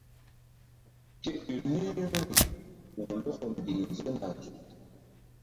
Ke ƴo ni̧h vbi̧ri ku̧lɔkɔ mbih nzona nzukri.